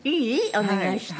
お願いして。